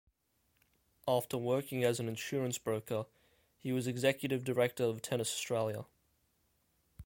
After working as an insurance broker, he was executive director of Tennis Australia.